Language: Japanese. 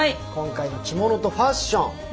今回の着物とファッション。